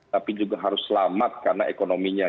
tapi juga harus selamat karena ekonominya